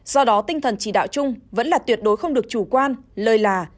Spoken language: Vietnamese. do đó tinh thần chỉ đạo chung vẫn là tuyệt đối không được chủ quan lơi là